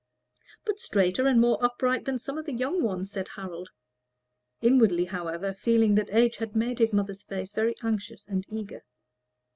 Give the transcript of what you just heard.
"But straighter and more upright than some of the young ones!" said Harold; inwardly, however, feeling that age had made his mother's face very anxious and eager.